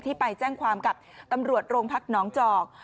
ไปแจ้งความกับตำรวจโรงพักหนองจอก